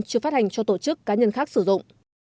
chưa phát hành cho tổ chức cá nhân khác sử dụng